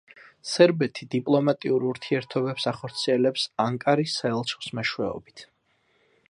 სერბეთი დიპლომატიურ ურთიერთობებს ახორციელებს ანკარის საელჩოს მეშვეობით.